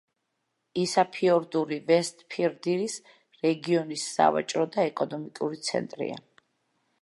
ისაფიორდური ვესტფირდირის რეგიონის სავაჭრო და ეკონომიკური ცენტრია.